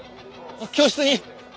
教室に。